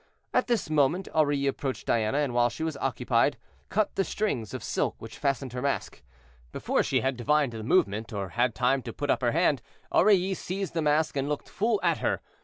At this moment Aurilly approached Diana, and while she was occupied, cut the strings of silk which fastened her mask. Before she had divined the movement, or had time to put up her hand, Aurilly seized the mask and looked full at her.